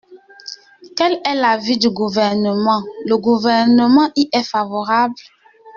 Quel est l’avis du Gouvernement ? Le Gouvernement y est favorable.